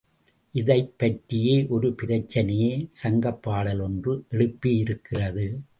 இதைப் பற்றிய ஒரு பிரச்சனையே சங்கப் பாடல் ஒன்று எழுப்பியிருக்கிறது.